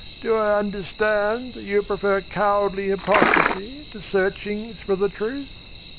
Do I understand that you prefer cowardly hypocrisy to searchings for the truth?"